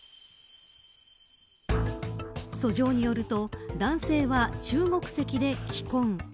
訴状によると男性は中国籍で、既婚。